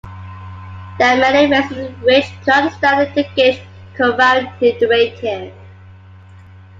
There are many ways in which to understand the gauge covariant derivative.